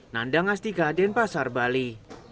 nandang astika dan pasar bali